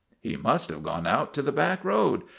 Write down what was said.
" He must have gone out to the back road.